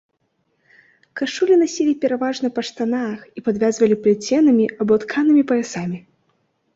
Кашулі насілі пераважна па штанах і падвязвалі плеценымі або тканымі паясамі.